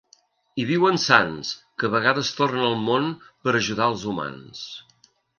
Hi viuen sants, que a vegades tornen al món per ajudar els humans.